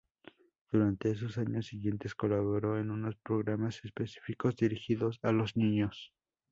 Durante esos años siguientes, colaboró en unos programas específicos, dirigidos a los niños.